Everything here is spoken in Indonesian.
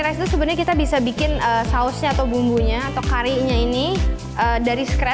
rice itu sebenarnya kita bisa bikin sausnya atau bumbunya atau currynya ini dari scratch